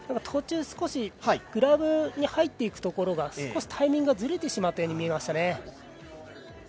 途中グラブに入ってくところが少しタイミングがずれてしまったように見えましたね。